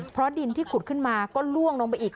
เพราะดินที่ขุดขึ้นมาก็ล่วงลงไปอีก